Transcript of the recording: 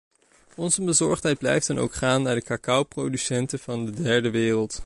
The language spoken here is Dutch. Onze bezorgdheid blijft dan ook gaan naar de cacaoproducenten van de derde wereld.